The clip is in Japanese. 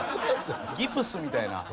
ギプスみたいな。